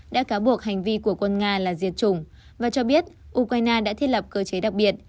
đã cáo buộc hành vi của quân nga là diệt chủng và cho biết ukraine đã thiết lập cơ chế đặc biệt